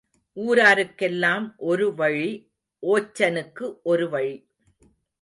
ஊராருக்கெல்லாம் ஒரு வழி ஓச்சனுக்கு ஒரு வழி.